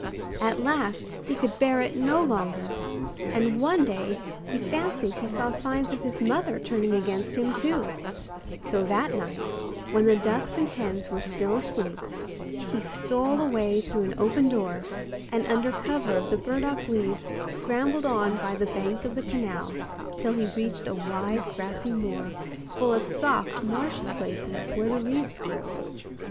At last he could bear it no longer, and one day he fancied he saw signs of his mother turning against him too; so that night, when the ducks and hens were still asleep, he stole away through an open door, and under cover of the burdock leaves scrambled on by the bank of the canal, till he reached a wide grassy moor, full of soft marshy places where the reeds grew.